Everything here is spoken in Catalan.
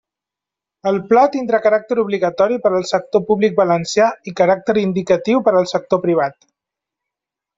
El pla tindrà caràcter obligatori per al sector públic valencià i caràcter indicatiu per al sector privat.